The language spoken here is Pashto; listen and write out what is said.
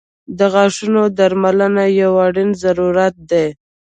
• د غاښونو درملنه یو اړین ضرورت دی.